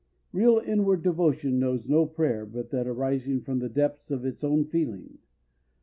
Real inward devotion knows no prayer but that arising from the depths of its own feeling.